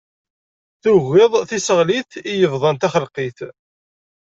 Tugiḍ tiseɣlit i yebḍan taxelqit.